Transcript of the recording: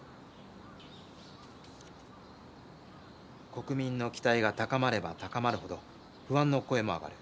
国民の期待が高まれば高まるほど不安の声もあがる。